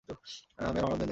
আমি আর মারামারির মধ্যে নেই।